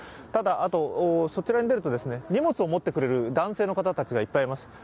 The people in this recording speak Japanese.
ただ、そちらに出ると荷物を持ってくれる男性の方たちがいっぱいいます。